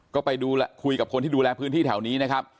ก็ไปดูคุยกับคนที่ดูแลพื้นที่แถวนี้นะครับ